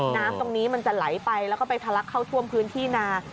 น้ำตรงนี้มันจะไหลไปแล้วก็ไปทะลักเข้าท่วมพื้นที่นา